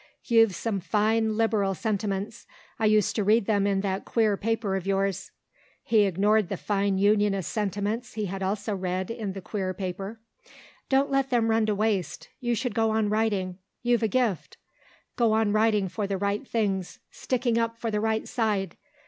You've some fine Liberal sentiments; I used to read them in that queer paper of yours." (He ignored the fine Unionist sentiments he had also read in the queer paper.) "Don't let them run to waste. You should go on writing; you've a gift. Go on writing for the right things, sticking up for the right side.